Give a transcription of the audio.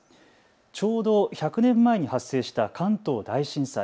ちょうど１００年前に発生した関東大震災。